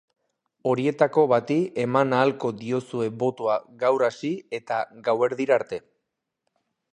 Horietako bati eman ahalko diozue botoa gaur hasi eta gauerdira arte.